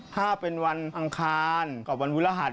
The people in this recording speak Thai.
ถ้าเป็นวันอังคารกับวันพุรหัส